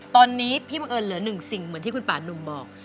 ตอนนี้พี่บังเอิญเหลือหนึ่งสิ่งเหมือนที่คุณป่านุ่มบอก